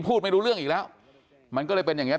พูดไม่รู้เรื่องอีกแล้วมันก็เลยเป็นอย่างเงี